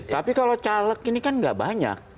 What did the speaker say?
tapi kalau caleg ini kan gak banyak